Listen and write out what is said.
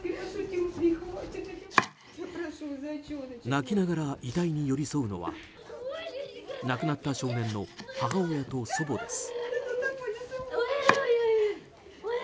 泣きながら遺体に寄り添うのは亡くなった少年の母親と祖母です。